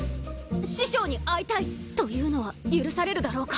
師匠に会いたいというのは許されるだろうか。